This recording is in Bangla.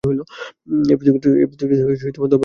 এই প্রতিযোগিতায় ধর্মের অবনতি হয়।